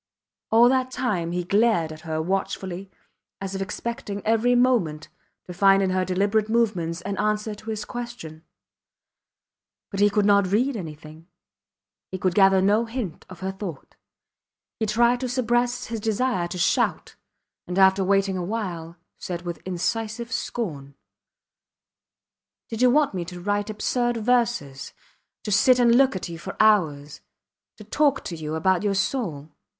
All that time he glared at her watchfully as if expecting every moment to find in her deliberate movements an answer to his question. But he could not read anything, he could gather no hint of her thought. He tried to suppress his desire to shout, and after waiting awhile, said with incisive scorn: Did you want me to write absurd verses; to sit and look at you for hours to talk to you about your soul?